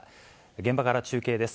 現場から中継です。